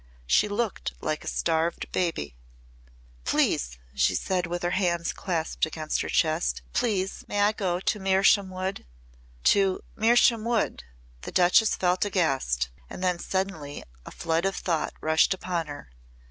She looked like a starved baby. "Please," she said with her hands clasped against her chest, "please may I go to Mersham Wood?" "To Mersham Wood," the Duchess felt aghast and then suddenly a flood of thought rushed upon her.